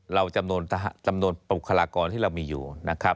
จำนวนจำนวนบุคลากรที่เรามีอยู่นะครับ